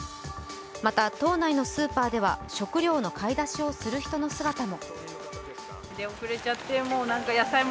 また、島内のスーパーでは食料の買い出しをする人の姿も。